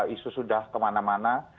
isu sudah kemana mana